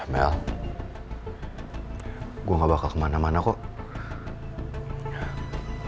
mell gue gak bakal kemana mana kok